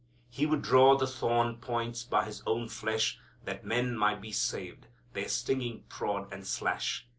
He would draw the thorn points by His own flesh that men might be saved their stinging prod and slash.